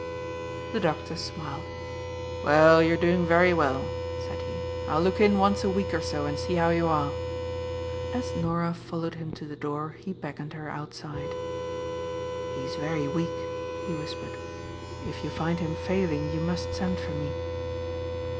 The doctor smiled. "Well, you are doing very well," said he. "I'll look in once a week or so, and see how you are." As Norah followed him to the door, he beckoned her outside. "He is very weak," he whispered. "If you find him failing you must send for me."